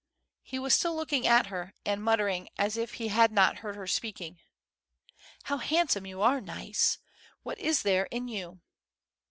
He was Avas still looking at her, and muttering, as if he had not heard her speaking: " How handsome you are, Na'is I What is there in you?"